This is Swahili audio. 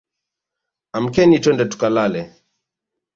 Amkeni twende tukalale